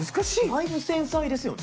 だいぶ繊細ですよね。